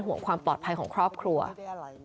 พวกมันต้องกินกันพี่